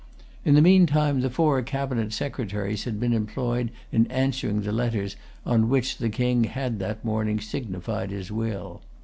In the meantime the four cabinet secretaries had been employed in answering the letters on which the King had that morning signified his will.